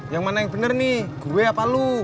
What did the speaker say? yang mana yang benar nih gue apa lu